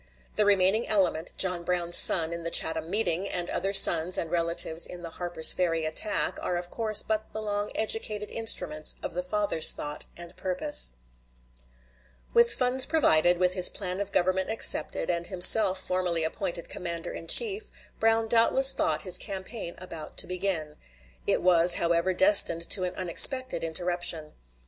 The remaining element, John Brown's son in the Chatham meeting, and other sons and relatives in the Harper's Ferry attack, are of course but the long educated instruments of the father's thought and purpose. Stearns to Brown, May 14, 1858: Howe, Testimony, Mason Report, p. 177. With funds provided, with his plan of government accepted, and himself formally appointed commander in chief, Brown doubtless thought his campaign about to begin; it was however destined to an unexpected interruption.